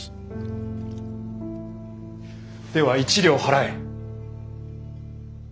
では１両払え！